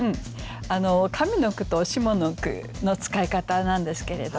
上の句と下の句の使い方なんですけれども。